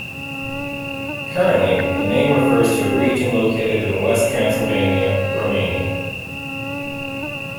Currently, the name refers to a region located in West Transylvania, Romania.